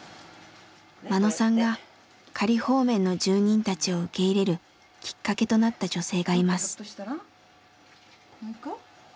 眞野さんが仮放免の住人たちを受け入れるきっかけとなった女性がいます。